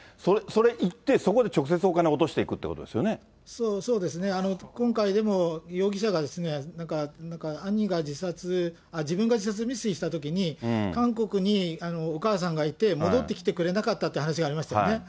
それ行って、そこで直接お金を落としていくということそうですね、今回でも容疑者がなんか、兄が自殺、自分が自殺未遂したときに、韓国にお母さんが行って、戻ってきてくれなかったって話がありましたよね。